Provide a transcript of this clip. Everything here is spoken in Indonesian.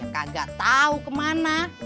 kagak tau kemana